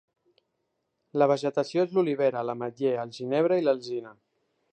La vegetació és l'olivera, l'ametller, el ginebre i l'alzina.